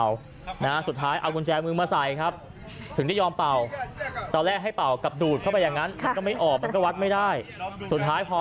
อันนี้เป็นคนเห็นเหตุการณ์นะเป็นคนที่อยู่ในตลาดแล้วก็เห็นเหตุการณ์